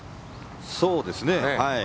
そうですね。